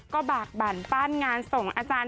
ก็บากบั่นปั้นงานส่งอาจารย์